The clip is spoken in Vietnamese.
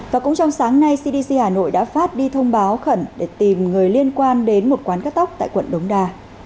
và cũng trong sáng nay cdc hà nội đã phát đi thông báo khẩn để tìm người liên quan đến một quán cắt tóc tại quận đống đa